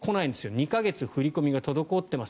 ２か月振り込みが滞っています。